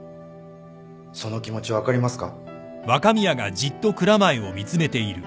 その気持ち分かりますか？